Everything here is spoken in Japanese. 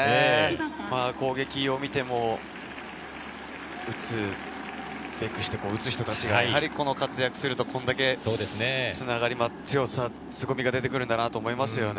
攻撃を見ても、打つべくして打つ人たちの活躍すると、これだけ繋がりの強さ、すごみが出てくるんだと思いますね。